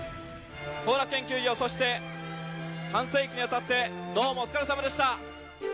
後楽園球場、そして半世紀にわたってどうもお疲れさまでした。